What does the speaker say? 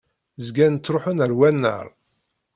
Zgan ttṛuḥun ar wannar.